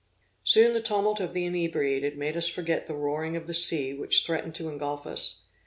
Soon the tumult of the inebriated made us forget the roaring of the sea which threatened to engulf us.